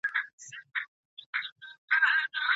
د عینکو ټاکل څوک کوي؟